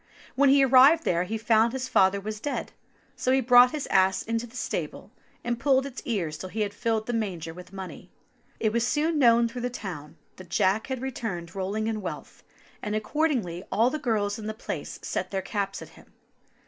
When he arrived there he found his father was dead, so he brought his ass into the stable, and pulled its ears till he had filled the manger with money. It was soon known through the town that Jack had returned rolling in wealth, and accordingly all the girls in the place set their caps at him.